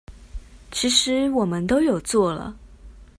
其實我們都有做了